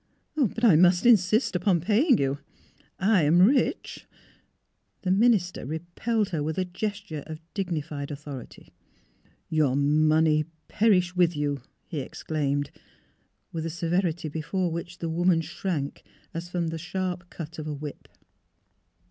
'' But I must insist upon paying you. I am rich " The minister repelled her with a gesture of dignified authority. '' Your money perish with you! " he exclaimed, with a severity before which the woman shrank as from the sharp cut of a whip.